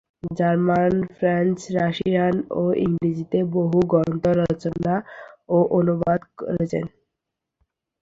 German, French, Russian ও ইংরেজিতে বহু গ্রন্থ রচনা ও অনুবাদ করেছেন।